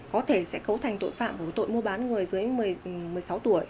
có thể sẽ cấu thành tội phạm của tội mua bán người dưới một mươi sáu tuổi